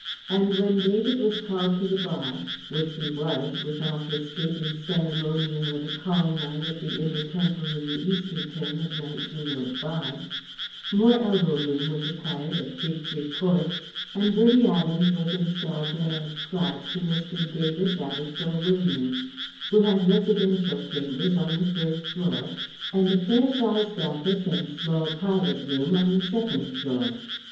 And when David was called to the Bar which he was with all the stately ceremonial of a Call night at the Inner Temple in the Easter term of 1905, more elbow room was acquired at Fig Tree Court, and Bertie Adams was installed there as clerk to Mr. David Vavasour Williams, who had residential chambers on the third floor, and a fair sized Office and small private room on the second floor.